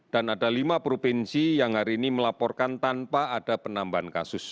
dan ada lima provinsi yang hari ini melaporkan tanpa ada penambahan kasus baru